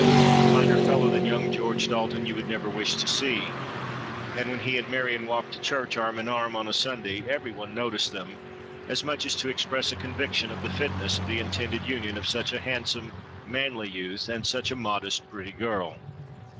A finer fellow than young George Dalton you would never wish to see; and when he and Marion walked to church arm in arm, on a Sunday, every one noticed them, as much as to express a conviction of the fitness of the intended union of such a handsome, manly youth, and such a modest pretty girl.